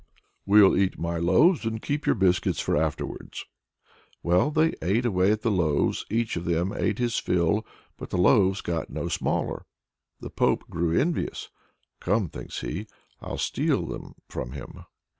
"We'll eat my loaves, and keep your biscuits for afterwards." Well, they ate away at the loaves; each of them ate his fill, but the loaves got no smaller. The Pope grew envious: "Come," thinks he, "I'll steal them from him!"